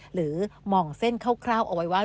หรือมองเส้นคร่าวเอาไว้ว่า